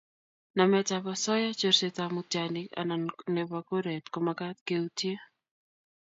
namet ap osoya, chorset ap mutianik an ko nepo kuret komakat keutie